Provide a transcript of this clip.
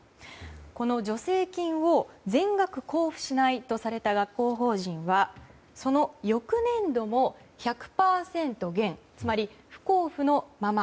この助成金を全額交付しないとされた学校法人はその翌年度も１００％減つまり不交付のまま。